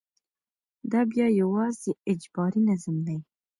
دا بیا یوازې اجباري نظم دی.